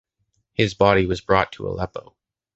His body was brought to Aleppo.